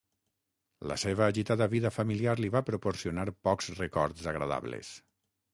La seva agitada vida familiar li va proporcionar pocs records agradables.